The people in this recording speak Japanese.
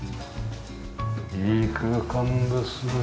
いい空間ですね。